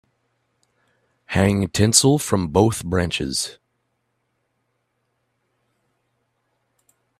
Hang tinsel from both branches.